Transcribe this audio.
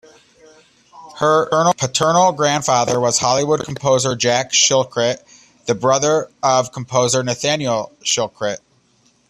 Her paternal grandfather was Hollywood composer Jack Shilkret, the brother of composer Nathaniel Shilkret.